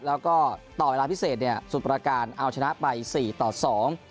แล้วก็ต่อเวลาพิเศษเนี่ยสุดประการเอาชนะไปสี่ต่อสอง